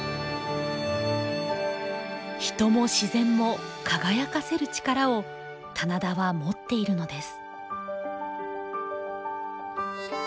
人も自然も輝かせる力を棚田は持っているのです。